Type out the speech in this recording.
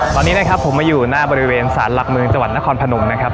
ตอนนี้นะครับผมมาอยู่หน้าบริเวณสารหลักเมืองจังหวัดนครพนมนะครับ